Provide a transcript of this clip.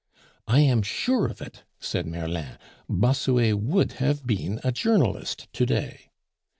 "I am sure of it," said Merlin. "Bossuet would have been a journalist to day."